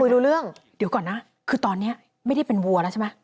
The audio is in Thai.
เดี๋ยวก่อนนะคือตอนนี้ไม่ได้เป็นวัวแล้วใช่ไหม